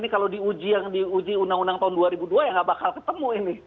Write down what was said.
kalo di uji yang di uji uu tahun dua ribu dua ya nggak bakal ketemu ini